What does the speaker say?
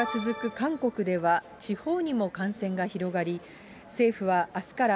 韓国では、地方にも感染が広がり、政府はあすから、